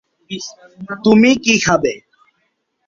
তুমি কি খাবে?